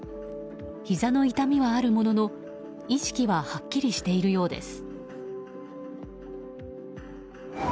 ひざの痛みはあるものの意識ははっきりしているようです。